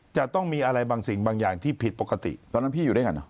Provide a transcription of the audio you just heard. จะต้องมีอะไรบางสิ่งบางอย่างที่ผิดปกติตอนนั้นพี่อยู่ด้วยกันเหรอ